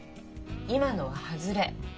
今のは外れ。